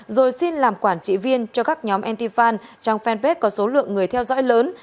rồi xin làm quản trị viên cho các nhóm ntifan trong fanpage có số lượng người theo dõi lớn